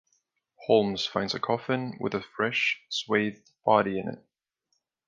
Holmes finds a coffin with a fresh, swathed body in it.